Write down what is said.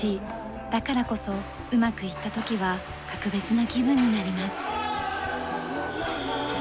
だからこそうまくいった時は格別な気分になります。